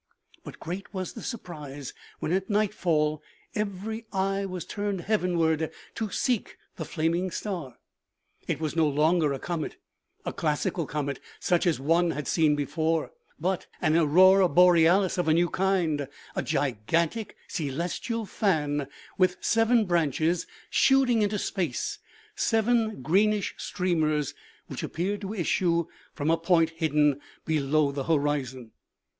But .?<? OMEGA. great was the surprise when at nightfall every eye was turned heavenward to seek the flaming star. It was no longer a comet, a classic comet such as one had seen before, but an aurora borealis of a new kind, a gigantic celestial fan, with seven branches, shooting into space seven greenish streamers, which appeared to issue from a point hidden below the horizon.